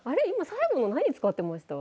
最後の何使ってました？